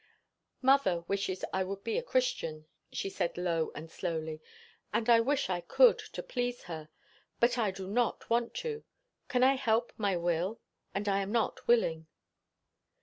"Mother wishes I would be a Christian," she said low and slowly. "And I wish I could, to please her; but I do not want to. Can I help my will? and I am not willing."